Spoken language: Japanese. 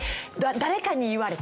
誰かに言われた。